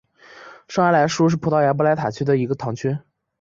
圣阿莱舒是葡萄牙波塔莱格雷区的一个堂区。